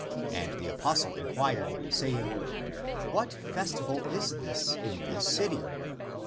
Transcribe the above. And the apostle inquired, saying, " What festival is this in this city?"